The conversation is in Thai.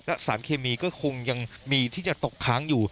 และสารเคมีก็คงยังมีที่จะตกค้างอยู่